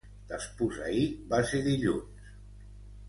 Despús-ahir va ser dilluns.